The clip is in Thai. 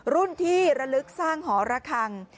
รุ่นที่ระลึกสร้างหอระคัง